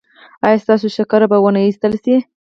ایا ستاسو شکر به و نه ویستل شي؟